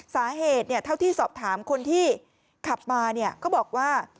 สาเหตุเนี่ยเท่าที่สอบถามคนที่ขับมาเนี่ยก็บอกว่า